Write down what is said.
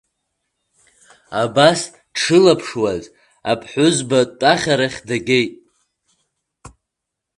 Абас дшылаԥшуаз аԥҳәызбатәахьарахь дагеит.